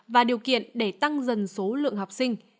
và điều kiện để tăng dần số lượng học sinh